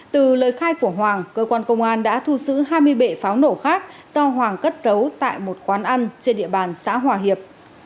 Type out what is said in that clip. từ lời khai của hoàng cơ quan công an đã thu giữ hai mươi bệ pháo nổ khác do hoàng cất giấu tại một quán ăn trên địa bàn xã hòa hiệp